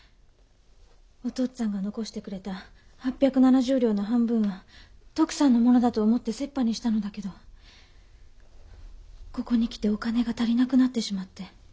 お父っつぁんが残してくれた８７０両の半分は徳さんのものだと思って折半にしたのだけどここに来てお金が足りなくなってしまって。